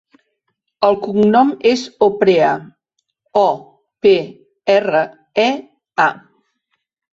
El cognom és Oprea: o, pe, erra, e, a.